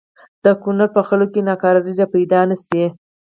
د کونړ په خلکو کې ناکراری را پیدا نه شي.